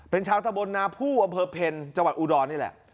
เป็นชาวทะบนนาผู้อเผิดเพลจอูดรนี่แหละ